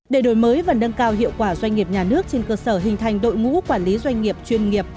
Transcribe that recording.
để đổi mới và nâng cao hiệu quả doanh nghiệp nhà nước trên cơ sở hình thành đội ngũ quản lý doanh nghiệp chuyên nghiệp